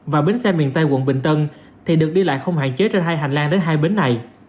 và bến xe miền tây quận bình tân thì được đi lại không hạn chế trên hai hành lang đến hai bến này